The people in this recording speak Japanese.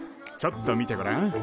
ちょっと見てごらん。